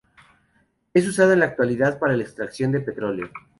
Es usada en la actualidad para la extracción de petróleo.